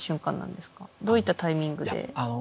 どういったタイミングで。